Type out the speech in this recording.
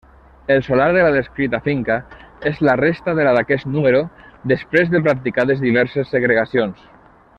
El solar de la descrita finca és la resta de la d'aquest número després de practicades diverses segregacions.